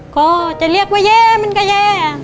ก็จะเรียกว่าแย่มันก็แย่